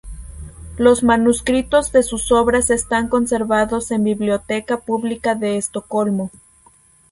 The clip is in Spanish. Los manuscritos de sus obras están conservados en Biblioteca Pública de Estocolmo.